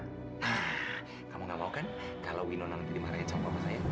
nah kamu gak mau kan kalau winona nanti dimarahin sama papa saya